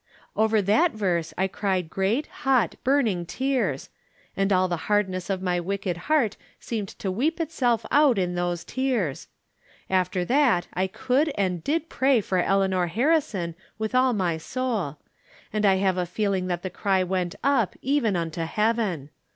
Over that verse I cried great, hot, burning tears ; and all the hardness of my wicked heart seemed to weep itself out in those tears. After that I could and did pray for Eleanor Harrison with all my 280 From Different Standpoints. soul. And I have a feeling that the cry went up, even unto heaven.